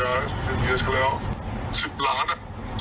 ๑๐ล้านจ่ายได้เหรอแต่สัญญาละผมไว้